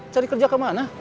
cari kerja kemana